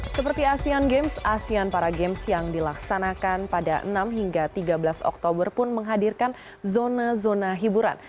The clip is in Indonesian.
seperti asean games asean para games yang dilaksanakan pada enam hingga tiga belas oktober pun menghadirkan zona zona hiburan